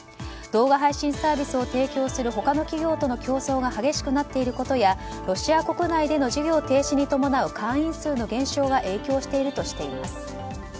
動画配信サービスを提供する他の企業との競争が激しくなっていることやロシア国内での事業停止に伴う会員数の減少が影響しているとしています。